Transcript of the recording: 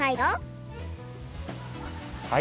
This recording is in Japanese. はい。